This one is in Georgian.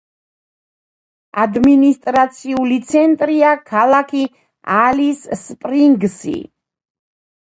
ადმინისტრაციული ცენტრია ქალაქი ალის-სპრინგსი.